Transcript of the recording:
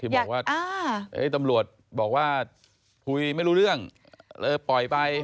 ที่บอกว่าตำรวจบอกว่าไม่รู้เรื่องปล่อยไป